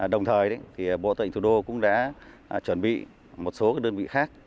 đồng thời bộ tư lệnh thủ đô cũng đã chuẩn bị một số đơn vị khác